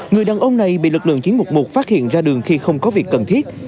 người đàn ông này bị lực lượng chiến mục một phát hiện ra đường khi không có việc cần thiết